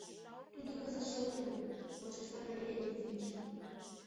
— Тудо кызыт шылтыме, — вашешта Мария Ильинична.